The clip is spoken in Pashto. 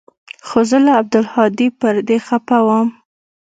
خو زه له عبدالهادي پر دې خپه وم.